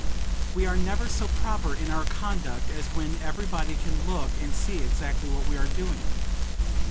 We are never so proper in our conduct as when everybody can look and see exactly what we are doing.